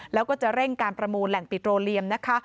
แล้วก็จะเร่งการประมูลแหล่งปิโตเรียมนะคะ